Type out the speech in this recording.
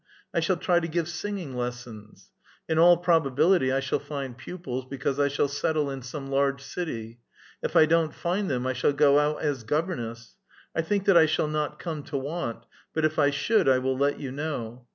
I shall try to give singing lessons. In all probability I shall find pupils, because I shall settle in some large city. If I don't find them, 1 shall go out as governess. I think that I shall not come to 'want ; but if I should, I will let you know.